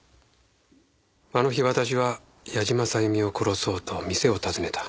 あの日私は矢島さゆみを殺そうと店を訪ねた。